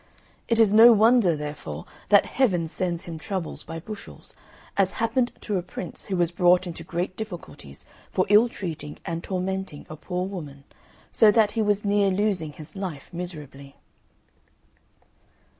It is no wonder, therefore, that Heaven sends him troubles by bushels as happened to a prince who was brought into great difficulties for ill treating and tormenting a poor woman, so that he was near losing his life miserably.